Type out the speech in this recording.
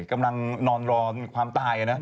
กำลังนอนรอความตายนะ